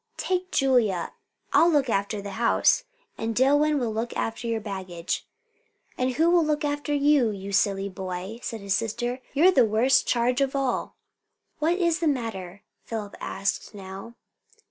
"Take Julia. I'll look after the house, and Dillwyn will look after your baggage." "And who will look after you, you silly boy?" said his sister. "You're the worst charge of all." "What is the matter?" Philip asked now.